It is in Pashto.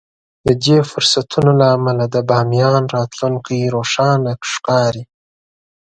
د دې فرصتونو له امله د باميان راتلونکی روښانه ښکاري.